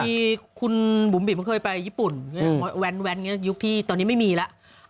มีคุณบุ๋มบิ๋มเคยไปญี่ปุ่นแว้นยุคที่ตอนนี้ไม่มีแล้ว